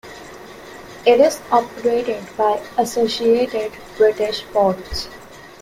It is operated by Associated British Ports.